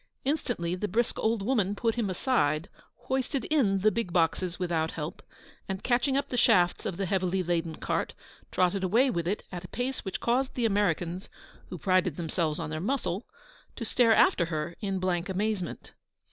Instantly the brisk old woman put him aside, hoisted in the big boxes without help, and, catching up the shafts of the heavily laden cart, trotted away with it at a pace which caused the Americans (who prided themselves on their muscle) to stare after her in blank amazement.